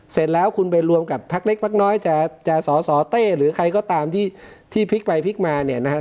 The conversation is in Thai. เสร็จแล้วคุณไปรวมกับพักเล็กพักน้อยจะสสเต้หรือใครก็ตามที่พลิกไปพลิกมาเนี่ยนะครับ